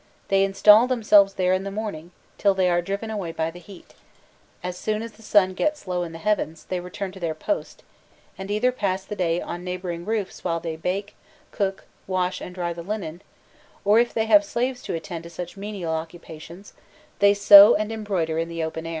* They install themselves there in the morning, till they are driven away by the heat; as soon as the sun gets low in the heavens, they return to their post, and either pass the day on neighbouring roofs whilst they bake, cook, wash and dry the linen; or, if they have slaves to attend to such menial occupations, they sew and embroider in the open air.